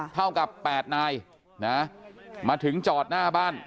เท่ากับ๘นายนะมาถึงจอดหน้าบ้าน